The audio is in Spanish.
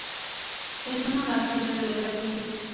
Es una bastida de la Edad Media.